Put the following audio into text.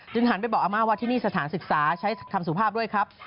หันไปบอกอาม่าว่าที่นี่สถานศึกษาใช้คำสุภาพด้วยครับ